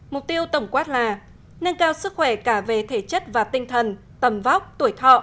mục tiêu tổng quát là nâng cao sức khỏe cả về thể chất và tinh thần tầm vóc tuổi thọ